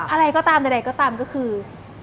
อะไรก็ตามใดก็ตามก็คือ